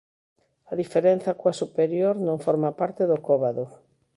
A diferenza coa superior non forma parte do cóbado.